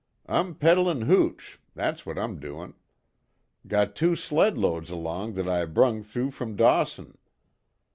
I'm peddling hooch that's what I'm doin'. Got two sled loads along that I brung through from Dawson.